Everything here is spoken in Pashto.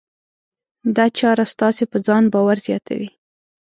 دا چاره ستاسې په ځان باور زیاتوي.